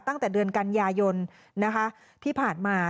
ตั้งแต่เดือนกันยายนนะคะที่ผ่านมา